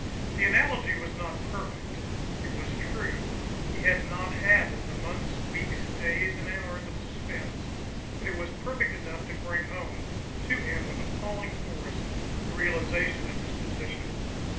The analogy was not perfect, it was true, he had not had the months, weeks, days and hours of suspense; but it was perfect enough to bring home to him with appalling force the realisation of his position.